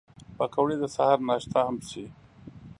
پکورې د سهر ناشته هم شي